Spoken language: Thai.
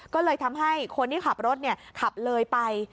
ก็เลยทำให้คนที่ขับรถขับเลยไป